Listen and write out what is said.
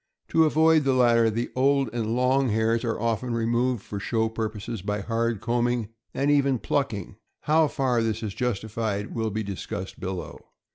To avoid the latter, the old and long hairs are often removed for show purposes by hard combing, and even plucking. How far this is justified will be discussed below.